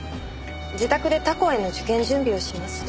自宅で他校への受験準備をしますと。